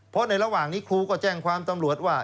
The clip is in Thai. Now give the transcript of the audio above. เพราะในระหว่างนี้ครูก็แจ้งความตำรวจว่า